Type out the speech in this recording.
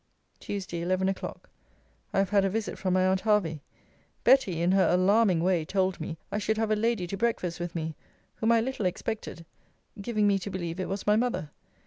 TUESDAY, ELEVEN O'CLOCK. I have had a visit from my aunt Hervey. Betty, in her alarming way, told me, I should have a lady to breakfast with me, whom I little expected; giving me to believe it was my mother.